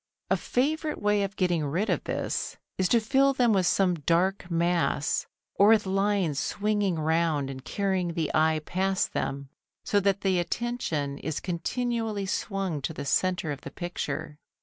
A favourite way of getting rid of this is to fill them with some dark mass, or with lines swinging round and carrying the eye past them, so that the attention is continually swung to the centre of the picture.